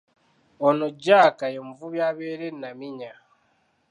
Ono Jaaka ye muvubi abeera e Naminya.